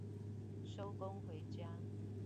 收工回家